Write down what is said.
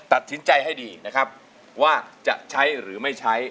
ตัดสินใจให้ดีนะครับว่าจะใช้หรือไม่ใช้